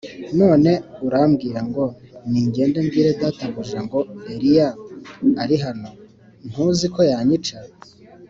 None urambwira ngo ningende mbwire databuja ngo Eliya ari hano, ntuzi ko yanyica?”